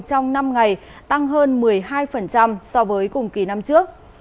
trong năm ngày tăng hơn một mươi hai so với cùng kỳ năm trước